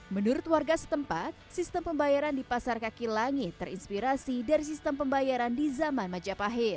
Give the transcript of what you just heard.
menurut warga setempat sistem pembayaran di pasar kaki langit terinspirasi dari sistem pembayaran di zaman majapahit